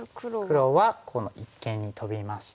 黒はこの一間にトビまして。